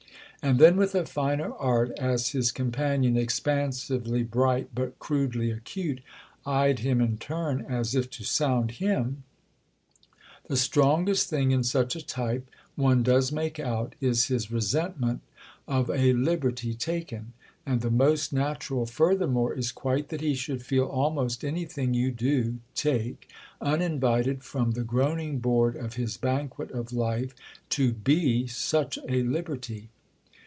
And then with a finer art, as his companion, expansively bright but crudely acute, eyed him in turn as if to sound him: "The strongest thing in such a type—one does make out—is his resentment of a liberty taken; and the most natural furthermore is quite that he should feel almost anything you do take uninvited from the groaning board of his banquet of life to be such a liberty."